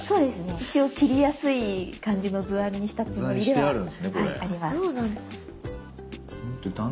一応切りやすい感じの図案にしたつもりではあります。